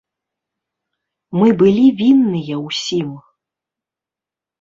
Мы былі вінныя ўсім.